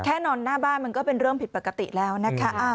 นอนหน้าบ้านมันก็เป็นเรื่องผิดปกติแล้วนะคะ